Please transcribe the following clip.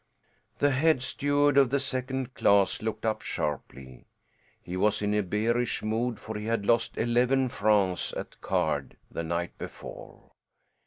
The head steward of the second class looked up sharply. He was in a bearish mood, for he had lost eleven francs at cards the night before.